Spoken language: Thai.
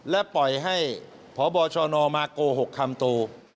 และปล่อยให้พบชนมาโกหกคำโต